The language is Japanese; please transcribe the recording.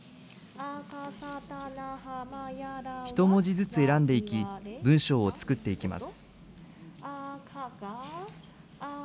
１文字ずつ選んでいき、文章を作っていきます。